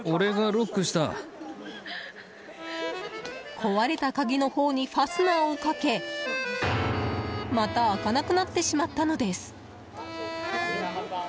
壊れた鍵のほうにファスナーをかけまた開かなくなってしまったのです。